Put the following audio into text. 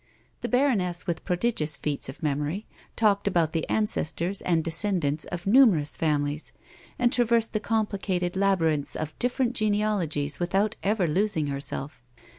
The baroness, with prodigious feats of memory, talked about the ancestors and descendants of numerous families, and traversed the complicated labyrinths of different genealogies without ever losing herself.